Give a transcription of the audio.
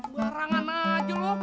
berarangan aja lo